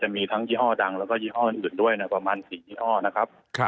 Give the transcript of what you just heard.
มีทั้งยี่ห้อดังแล้วก็ยี่ห้ออื่นด้วยประมาณ๔ยี่ห้อนะครับ